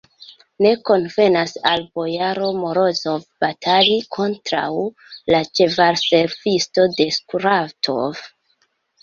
Ne konvenas al bojaro Morozov batali kontraŭ la ĉevalservisto de Skuratov!